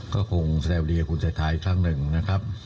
ก็คงแสดงดีกับคุณเศรษฐาอีกครั้งหนึ่งนะครับ